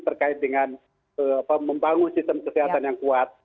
terkait dengan membangun sistem kesehatan yang kuat